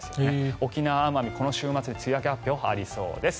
沖縄・奄美、この週末に梅雨明け発表がありそうです。